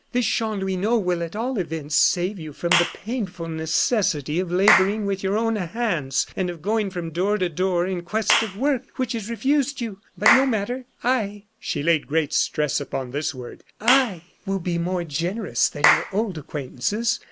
This Chanlouineau will, at all events, save you from the painful necessity of laboring with your own hands, and of going from door to door in quest of work which is refused you. But, no matter; I" she laid great stress upon this word "I will be more generous than your old acquaintances.